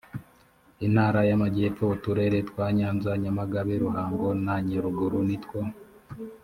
intara y amajyepfo uturere twa nyanza nyamagabe ruhango na nyaruguru nitwo